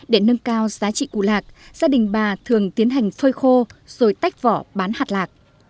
để nâng cao giá trị củ lạc gia đình bà thường tiến hành phơi khô rồi tách vỏ bán hạt lạc